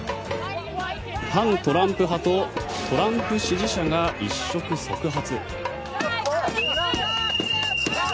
反トランプ派とトランプ支持者が一触即発。